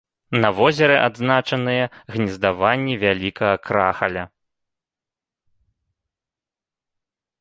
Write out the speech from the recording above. На возеры адзначаныя гнездаванні вялікага крахаля.